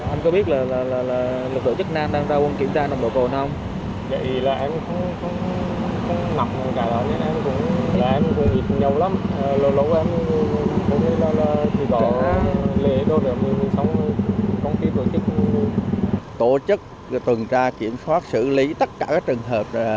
anh có biết là lực độ chức nam đang ra quân kiểm tra nồng độ cồn không